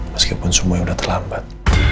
meskipun semuanya udah terlambat